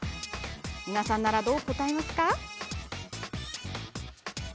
皆さんなら、どう答えますか？